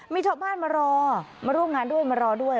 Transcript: มีชาวบ้านมารอมาร่วมงานด้วยมารอด้วย